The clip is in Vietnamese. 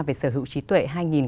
về sở hữu trí tuệ